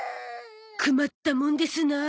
クマったもんですなあ。